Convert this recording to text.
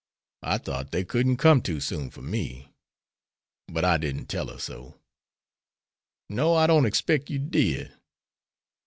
I thought they couldn't come too soon for we. But I didn't tell her so." "No, I don't expect you did."